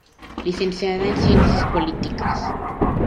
Licenciada en Ciencias Políticas.